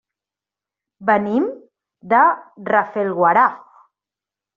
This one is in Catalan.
Venim de Rafelguaraf.